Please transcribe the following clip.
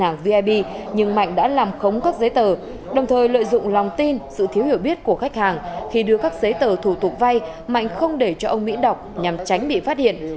mạnh đã đưa các giấy tờ thủ tục vay mạnh không để cho ông mỹ đọc nhằm tránh bị phát hiện